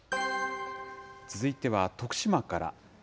続いては徳島から。